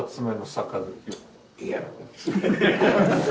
いや。